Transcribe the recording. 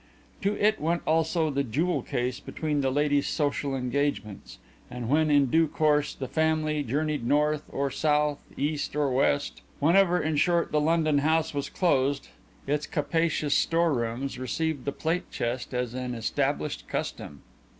To it went also the jewel case between the lady's social engagements, and when in due course "the family" journeyed north or south, east or west whenever, in short, the London house was closed, its capacious storerooms received the plate chest as an established custom.